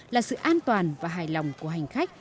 là sự an toàn và hài lòng của hành khách